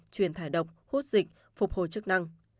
truyền thải độc hút dịch phục hồi chức năng